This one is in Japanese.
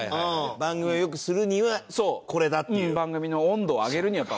番組を良くするにはこれだっていう。